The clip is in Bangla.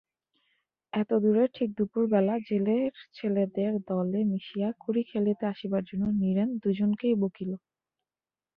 এতদূরে ঠিক দুপুরবেলা জেলের ছেলেদের দলে মিশিয়া কড়ি খেলিতে আসিবার জন্য নীরেন দুজনকেই বকিল।